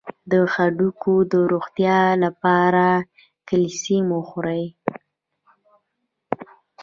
د هډوکو د روغتیا لپاره کلسیم وخورئ